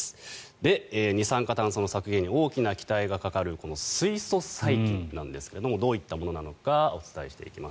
二酸化炭素の削減に大きな期待がかかるこの水素細菌なんですがどういったものなのかお伝えしていきます。